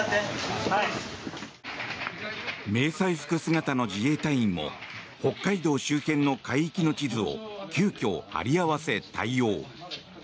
迷彩服姿の自衛隊員も北海道周辺の海域の地図を急きょ、貼り合わせ対応。